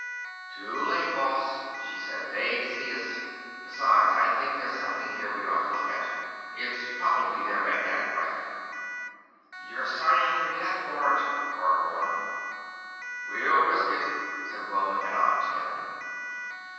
"Too late, Boss," she said. "They'd see us. Besides I think there's something here we ought to look at. It's probably their magnetic graph." "You're signing your death warrant," Hart warned. "We'll risk it," said Wilma and I together.